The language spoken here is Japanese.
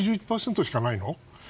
８１％しかないの？